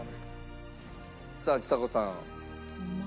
さあちさ子さん。